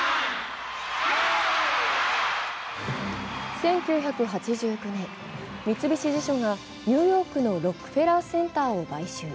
１９８９年、三菱地所がニューヨークのロックフェラーセンターを買収。